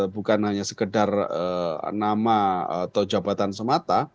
bukan hanya sekedar nama atau jabatan semata